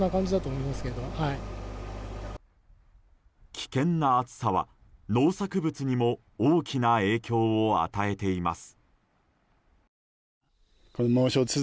危険な暑さは農作物にも大きな影響を与えています。